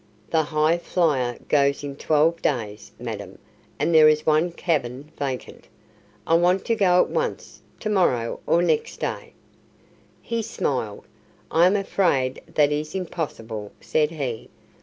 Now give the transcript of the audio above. "The Highflyer goes in twelve days, madam, and there is one cabin vacant." "I want to go at once to morrow or next day." He smiled. "I am afraid that is impossible," said he.